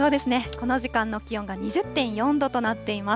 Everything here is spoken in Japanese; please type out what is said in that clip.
この時間の気温が２０．４度となっています。